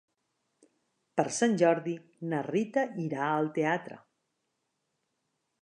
Per Sant Jordi na Rita irà al teatre.